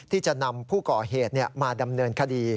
ที่จะนำผู้ก่อเหตุมาดำเนินคดี